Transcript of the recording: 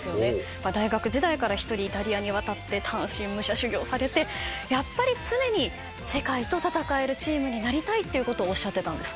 大学時代から１人イタリアに渡って単身武者修行されてやっぱり常に世界と戦えるチームになりたいとおっしゃってたんです。